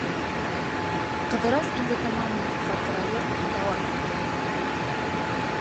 Ҡыҙырас инде тамам батырайып дауам итте: